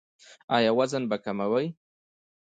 ایا وزن به کموئ؟